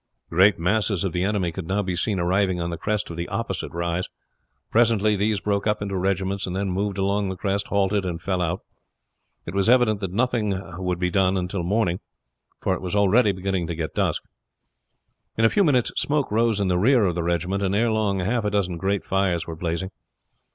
Great masses of the enemy could now be seen arriving on the crest of the opposite rise. Presently, these broke up into regiments, and then moved along the crest, halted, and fell out. It was evident that nothing would be done till next morning, for it was already beginning to get dusk. In a few minutes smoke rose in the rear of the regiment, and ere long half a dozen great fires were blazing.